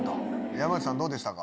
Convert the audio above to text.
山内さんどうでしたか？